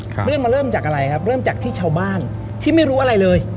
เรื่องมันเริ่มจากอะไรครับเริ่มจากที่ชาวบ้านที่ไม่รู้อะไรเลย